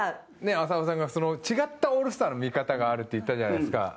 浅尾さんが、違ったオールスターの見方があるって言ったじゃないですか。